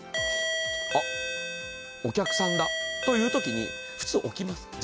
「あっお客さんだ」という時に普通置きます。